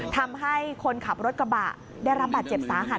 ทำให้คนขับรถกระบะได้รับบาดเจ็บสาหัส